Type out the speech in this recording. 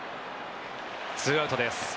２アウトです。